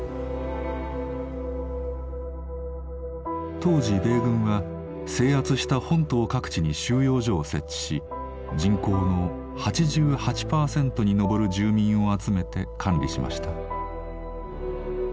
当時米軍は制圧した本島各地に収容所を設置し人口の８８％に上る住民を集めて管理しました。